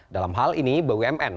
dalam hal ini bumn